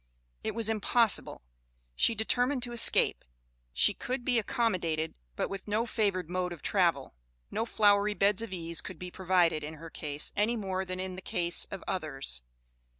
It was impossible! She determined to escape. She could be accommodated, but with no favored mode of travel. No flowery beds of ease could be provided in her case, any more than in the case of others.